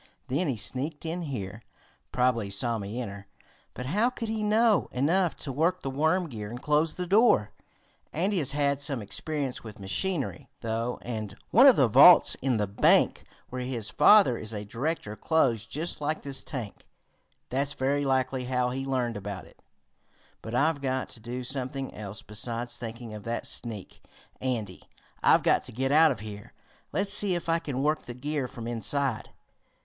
Then he sneaked in here. Probably he saw me enter, but how could he know enough to work the worm gear and close the door? Andy has had some experience with machinery, though, and one of the vaults in the bank where his father is a director closed just like this tank. That's very likely how he learned about it. But I've got to do something else besides thinking of that sneak, Andy. I've got to get out of here. Let's see if I can work the gear from inside."